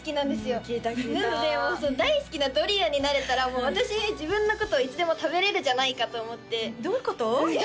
うん聞いた聞いたなので大好きなドリアンになれたらもう私自分のこといつでも食べれるじゃないかと思ってどういうこと？